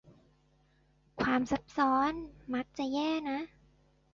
ความซับซ้อนมักจะแย่นะ